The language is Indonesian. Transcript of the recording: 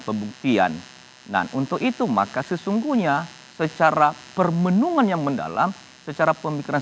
pembuktian dan untuk itu maka sesungguhnya secara permenungan yang mendalam secara pemikiran